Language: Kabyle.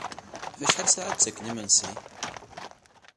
Ɣef acḥal ssaɛa i d-ttaken imensi?